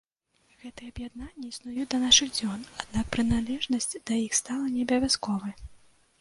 Гэтыя аб'яднанні існуюць да нашых дзён, аднак прыналежнасць да іх стала не абавязковай.